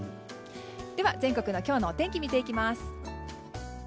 では、全国の今日のお天気見ていきます。